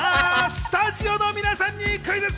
スタジオの皆さんにクイズッス！